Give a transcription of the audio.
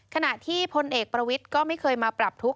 ขณะที่พลเอกประวิทย์ก็ไม่เคยมาปรับทุกข